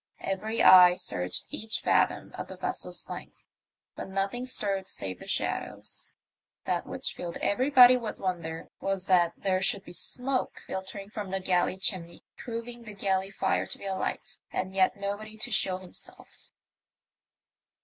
Every eye searched each fathom of the vessel's length, but nothing stirred save the shadows. That which filled everybody with wonder was that there should be smoke filtering from the galley 6 THE MY8TEBY OF THE ''OCEAN STAB. chimney, proving the galley fire to be alight, and yet nobody to show himself.